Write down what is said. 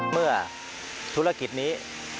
เมื่อธุรกิจนี้